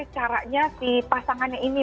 caranya si pasangannya ini